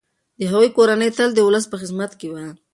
د هغوی کورنۍ تل د ولس په خدمت کي وه.